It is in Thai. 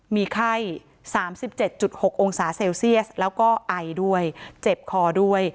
มีไข้๓๗๖องศาเซลเซียสแล้วก็ไอด้วยเจ็บคอด้วย